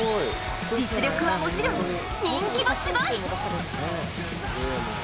実力はもちろん人気もすごい！